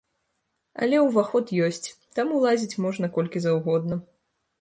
Але ўваход ёсць, таму лазіць можна колькі заўгодна.